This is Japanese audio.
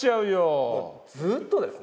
もうずっとですね。